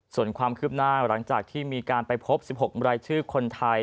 ส่วนความคืบหน้าหลังจากที่มีการไปพบ๑๖รายชื่อคนไทย